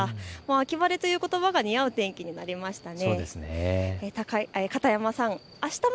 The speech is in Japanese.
秋晴れということばが似合う天気になりましたね。